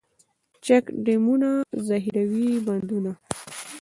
چک ډیمونه، ذخیروي بندونه.